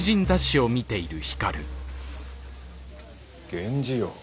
源氏よ